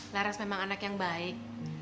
laras memang anak yang baik